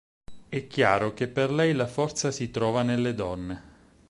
È chiaro che per lei la forza si trova nelle donne.